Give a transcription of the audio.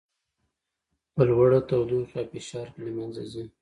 په لوړه تودوخې او فشار کې له منځه ځي.